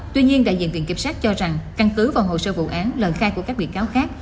tuy nhiên đại diện viện kiểm sát cho rằng căn cứ vào hồ sơ vụ án lời khai của các bị cáo khác